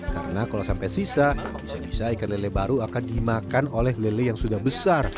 karena kalau sampai sisa bisa bisa ikan lele baru akan dimakan oleh lele yang sudah besar